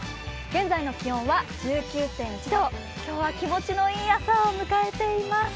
現在の気温は１９．１度、今日は気持ちのいい朝を迎えています。